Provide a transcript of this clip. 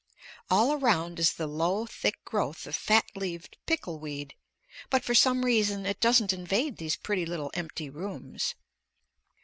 All around is the low thick growth of fat leaved pickle weed, but for some reason it doesn't invade these pretty little empty rooms.